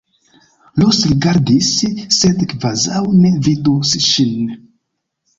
Ros rigardis, sed kvazaŭ ne vidus ŝin.